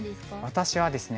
私はですね